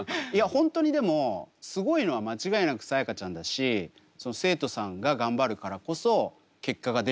本当にでもすごいのは間違いなくさやかちゃんだしその生徒さんが頑張るからこそ結果が出るんですよね。